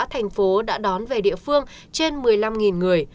thành phố đã đón về địa phương trên một mươi năm người